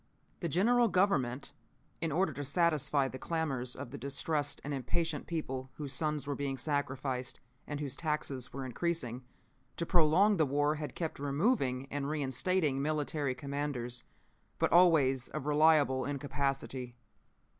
"The general government, in order to satisfy the clamors of the distressed and impatient people whose sons were being sacrificed, and whose taxes were increasing, to prolong the war had kept removing and reinstating military commanders, but always of reliable incapacity.